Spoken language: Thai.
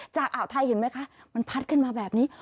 อ่าวไทยเห็นไหมคะมันพัดขึ้นมาแบบนี้